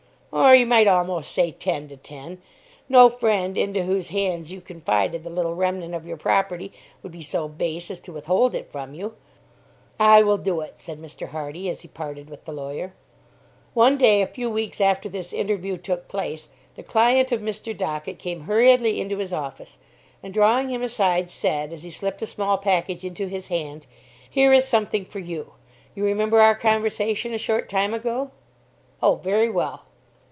"Or, you might almost say, ten to ten. No friend into whose hands you confided the little remnant of your property would be so base as to withhold it from you." "I will do it," said Mr. Hardy, as he parted with the lawyer. One day, a few weeks after this interview took place, the client of Mr. Dockett came hurriedly into his office, and, drawing him aside, said, as he slipped a small package into his hand, "Here is something for you. You remember our conversation a short time ago?" "Oh, very well."